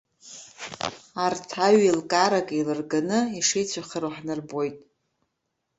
Арҭ аҩ-еилкаарак еилырганы, ишеицәыхароу ҳнарбоит.